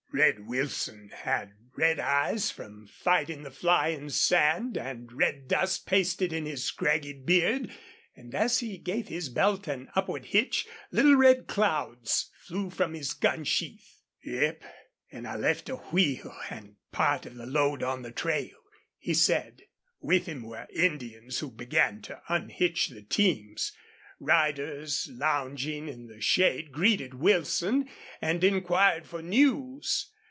Red Wilson had red eyes from fighting the flying sand, and red dust pasted in his scraggy beard, and as he gave his belt an upward hitch little red clouds flew from his gun sheath. "Yep. An' I left a wheel an' part of the load on the trail," he said. With him were Indians who began to unhitch the teams. Riders lounging in the shade greeted Wilson and inquired for news.